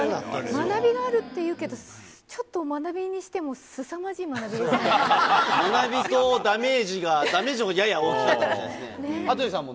学びがあるっていうけど、ちょっと学びにしても、すさまじい学び学びとダメージが、ダメージのほうがやや大きいっていう感じでしたね。